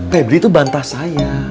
pebri tuh bantah saya